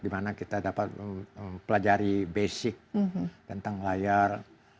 dimana kita dapat mempelajari basic tentang layar